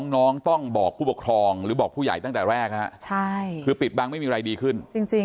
น้องต้องบอกผู้ปกครองหรือบอกผู้ใหญ่ตั้งแต่แรกฮะใช่คือปิดบังไม่มีอะไรดีขึ้นจริง